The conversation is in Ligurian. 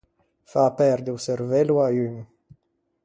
Fâ perde o çervello à un.